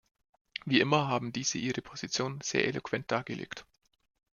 Wie immer, haben diese ihre Positionen sehr eloquent dargelegt.